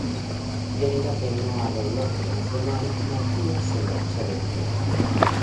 Debido a que no arregló con Nacional, Matías se marchó del club.